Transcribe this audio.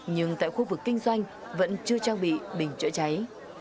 nhưng tại khu vực kinh doanh vẫn chưa trang bị bình chữa cháy